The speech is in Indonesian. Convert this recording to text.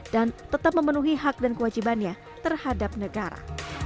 tetap memenuhi hak dan kewajibannya terhadap negara